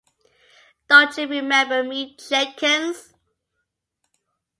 Don't you remember me, Jenkins?